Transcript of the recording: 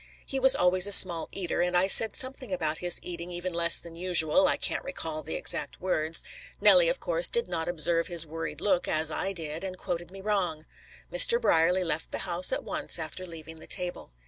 He was always a small eater, and I said something about his eating even less than usual, I can't recall the exact words. Nellie of course, did not observe his worried look, as I did, and quoted me wrong. Mr. Brierly left the house at once after leaving the table.